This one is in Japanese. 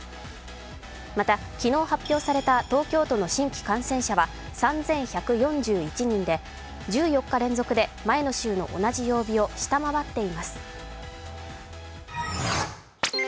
また昨日発表された東京都の新規感染者は３１４１人で、１４日連続で前の週の同じ曜日を下回っています。